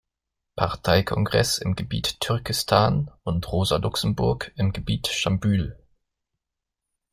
Parteikongress im Gebiet Türkistan, und Rosa Luxemburg im Gebiet Schambyl.